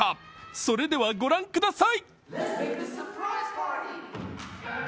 それではご覧ください。